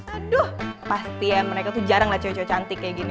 aduh pasti mereka tuh jarang lah cowok cowok cantik kayak gini